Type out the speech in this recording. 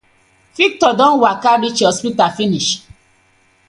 Victor don waka reach hospital finish.